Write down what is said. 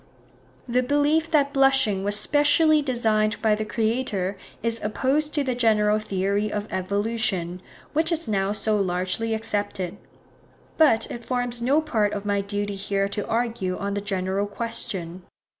The belief that blushing was SPECIALLY designed by the Creator is opposed to the general theory of evolution, which is now so largely accepted; but it forms no part of my duty here to argue on the general question.